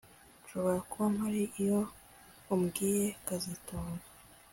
Nshobora kuba mpari iyo ubwiye kazitunga